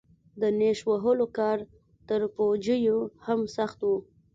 د نېش وهلو کار تر پوجيو هم سخت و.